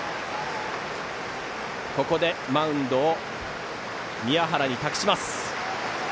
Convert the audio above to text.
ここでマウンドを宮原に託します。